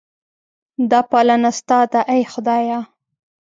دا پالنه ستا ده ای خدایه.